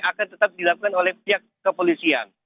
akan tetap dilakukan oleh pihak kepolisian